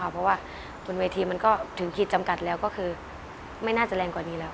เพราะว่าบนเวทีมันก็ถึงขีดจำกัดแล้วก็คือไม่น่าจะแรงกว่านี้แล้ว